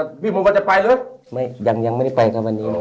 อ่าแล้วพี่มองว่าจะไปหรือไม่ยังยังไม่ได้ไปกันวันนี้อ๋อ